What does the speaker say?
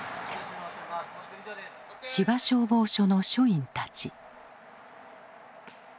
芝消防署の署員たち。